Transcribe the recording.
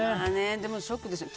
でも、ショックですね。